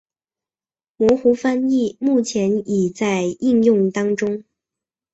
模糊翻译目前已在应用当中。